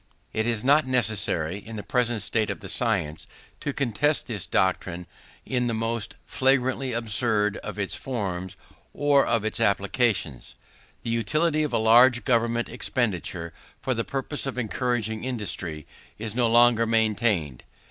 It is not necessary, in the present state of the science, to contest this doctrine in the most flagrantly absurd of its forms or of its applications. The utility of a large government expenditure, for the purpose of encouraging industry, is no longer maintained.